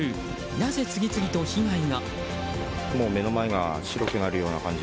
なぜ次々と被害が。